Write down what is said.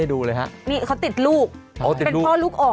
นี่เขาติดลูกเป็นพ่อลูกอ่อน